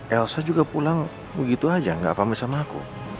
elsa juga pulang begitu aja gak pamit sama aku